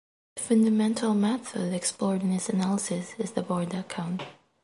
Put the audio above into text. The fundamental method explored in his analysis is the Borda count.